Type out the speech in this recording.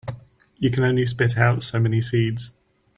You can only spit out so many seeds.